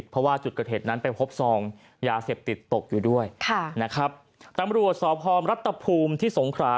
ไปพบซองยาเสพติดตกอยู่ด้วยค่ะนะครับตำรวจสอบพร้อมรัฐภูมิที่สงขรา